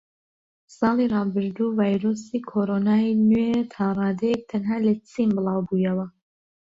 ساڵی ڕابردوو ڤایرۆسی کۆرۆنای نوێ تاڕادەیەک تەنها لە چین بڵاوبوویەوە